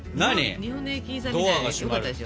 日本の駅員さんみたいでよかったですよ。